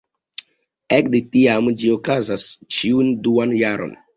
Ekde tiam ĝi okazas ĉiun duan jaron.